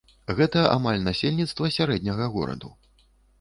Гэта амаль насельніцтва сярэдняга гораду.